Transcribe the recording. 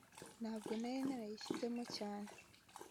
ntabwo nari narayishyizemo cyane